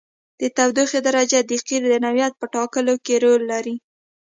د تودوخې درجه د قیر د نوعیت په ټاکلو کې رول لري